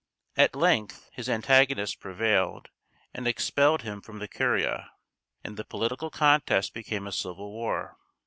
At length his antagonists prevailed, and expelled him from the curia; and the political contest became a civil war.